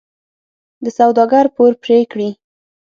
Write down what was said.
د سوداګر پور پرې کړي.